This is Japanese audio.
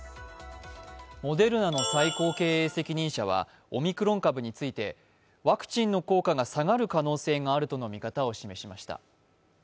モデルナの最高経営責任者はオミクロン株についてワクチンの効果が下がる可能性があるとの見方を示しました。